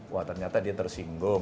wah ternyata dia tersinggung